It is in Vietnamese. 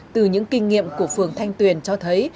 từ những kinh nghiệm của phường thanh tuyền cho thấy